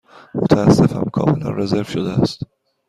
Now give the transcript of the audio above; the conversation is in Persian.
متأسفم، کاملا رزرو شده است.